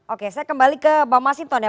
oke saya kembali ke bang masinton ya